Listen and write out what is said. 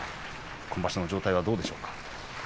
今場所の状態はどうですか？